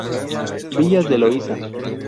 Villas de Loíza.